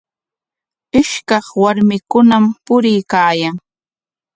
Ishkaq warmikunam puriykaayan.